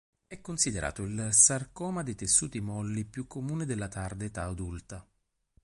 È considerato il sarcoma dei tessuti molli più comune della tarda età adulta.